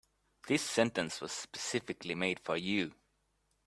This sentence was specifically made for you.